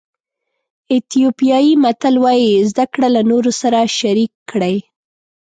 ایتیوپیایي متل وایي زده کړه له نورو سره شریک کړئ.